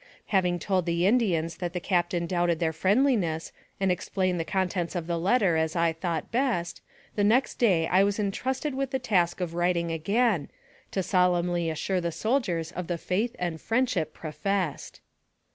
Having told the Indians that the captain doubted their friendliness, and explained the contents of the letter as I thought best, the next day I was entrusted with the task of writing again, to solemnly assure the soldiers of the faith and friendship professed.